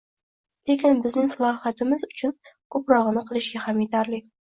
lekin bizning salohiyatimiz undan koʻprogʻini qilishga ham yetarli.